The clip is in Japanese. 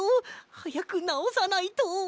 はやくなおさないと。